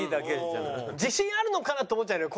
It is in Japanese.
自信あるのかなと思っちゃうよね